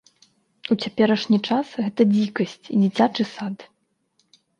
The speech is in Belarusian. У цяперашні час гэта дзікасць і дзіцячы сад.